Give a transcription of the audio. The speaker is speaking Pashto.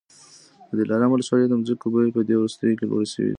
د دلارام ولسوالۍ د مځکو بیې په دې وروستیو کي لوړي سوې دي.